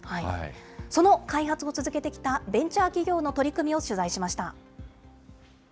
その開発を続けてきたベンチャー企業の取り組みを取材しました。